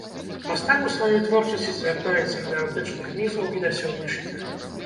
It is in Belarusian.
Мастак у сваёй творчасці звяртаецца і да антычных міфаў, і да сённяшніх.